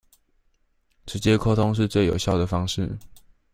直接溝通是最有效的方式